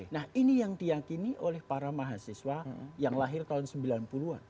nah ini yang diakini oleh para mahasiswa yang lahir tahun sembilan puluh an